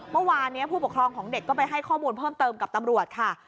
เมื่อวานนี้ผู้ปกครองของเด็กก็ไปให้ข้อมูลเพิ่มเติมกับตำรวจค่ะ